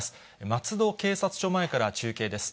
松戸警察署前から中継です。